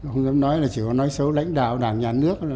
không dám nói là chỉ có nói xấu lãnh đạo đảng nhà nước